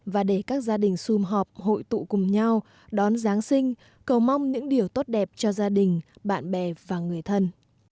và để các gia đình xung họp hội tụ cùng nhau đón giáng sinh cầu mong những điều tốt đẹp cho gia đình bạn bè và người thân